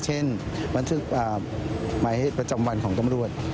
เช่นวันที่มาให้ประจำวันของตำรวจ